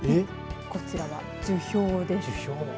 こちらが樹氷です。